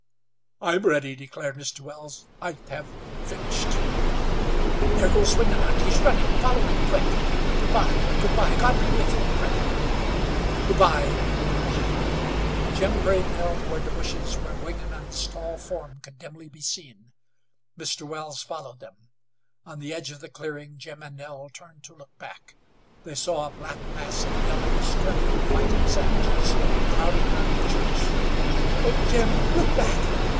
"I'm ready," declared Mr. Wells. "I have finished!" "There goes Wingenund! He's running. Follow him, quick! Good by! Good by! God be with you!" cried Heckewelder. "Good by! Good by!" Jim hurried Nell toward the bushes where Wingenund's tall form could dimly be seen. Mr. Wells followed them. On the edge of the clearing Jim and Nell turned to look back. They saw a black mass of yelling, struggling, fighting savages crowding around the church. "Oh! Jim, look back!